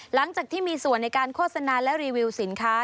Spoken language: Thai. หลังจากที่มีส่วนในการโฆษณาและรีวิวสินค้า